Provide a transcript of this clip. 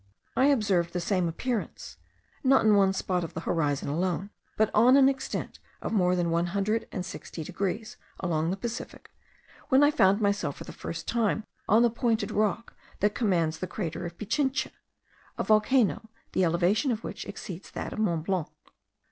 I observed the same appearance, not in one spot of the horizon alone, but on an extent of more than a hundred and sixty degrees, along the Pacific, when I found myself for the first time on the pointed rock that commands the crater of Pichincha; a volcano, the elevation of which exceeds that of Mont Blanc.